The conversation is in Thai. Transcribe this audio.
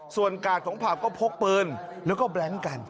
ส่วนกาดของผับก็พกปืนแล้วก็แบล็งกัน